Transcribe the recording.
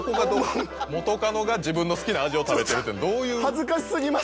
元カノが自分の好きな味を食べてるってどういう？